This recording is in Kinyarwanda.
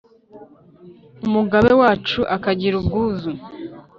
Umugabe wacu akagira ubwuzu